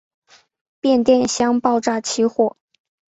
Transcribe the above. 变电箱爆炸起火。